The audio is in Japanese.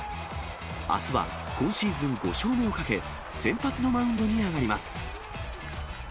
あすは今シーズン５勝目をかけ、先発のマウンドに上がります。